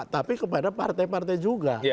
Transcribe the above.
tapi kepada partai partai juga